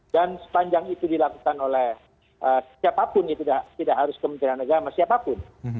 dan sepanjang itu dilakukan oleh siapapun tidak harus kementerian agama siapapun